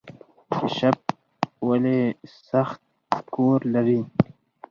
کیشپ ولې سخت کور لري؟